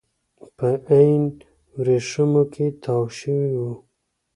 په عین ورېښمو کې تاو شوي وو.